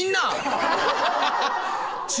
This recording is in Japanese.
ハハハハ！